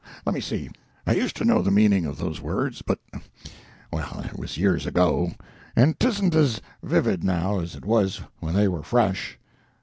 Let me see. ... I used to know the meaning of those words, but ... well, it was years ago, and 'tisn't as vivid now as it was when they were fresh.